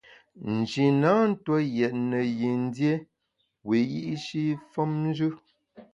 Nji na ntue yètne yin dié wiyi’shi femnjù.